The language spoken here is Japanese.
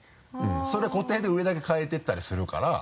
それ固定で上だけ替えてったりするから。